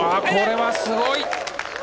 これはすごい。